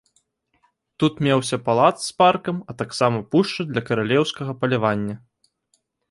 Тут меўся палац з паркам, а таксама пушча для каралеўскага палявання.